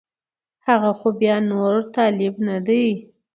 هغه خو بیا نور طالب نه دی